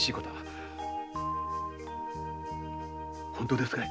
本当ですかい？